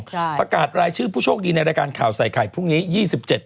ประกาศรายชื่อผู้โชคดีในรายการข่าวใส่ไข่พรุ่งนี้ยี่สิบเจ็ด